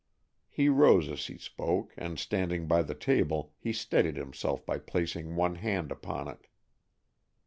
He rose as he spoke, and standing by the table, he steadied himself by placing one hand upon it.